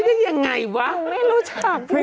เคยได้ยินอย่างไรวะคุณไม่รู้จักจริงไอ้เพลง